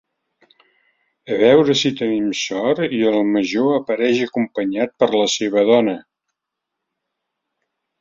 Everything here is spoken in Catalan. A veure si tenim sort i el major apareix acompanyat per la seva dona.